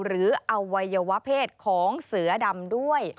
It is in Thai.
หรืออวัยวเผศของเสือดำด้วย